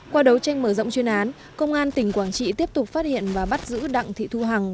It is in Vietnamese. qua đấu tranh mở rộng chuyên án công an tỉnh quảng trị tiếp tục phát hiện và bắt giữ đặng thị thu hằng